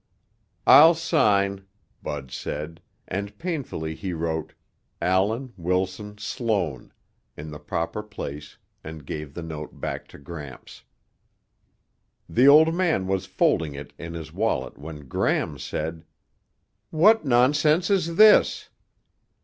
"I'll sign," Bud said, and painfully he wrote Allan Wilson Sloan in the proper place and gave the note back to Gramps. The old man was folding it in his wallet when Gram said, "What nonsense is this?"